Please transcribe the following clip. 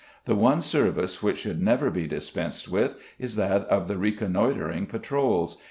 The one service which should never be dispensed with is that of the reconnoitring patrols.